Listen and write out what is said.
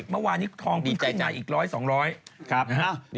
เมื่อวานี้ทองขึ้นอีก๑๐๐บาทดีใจ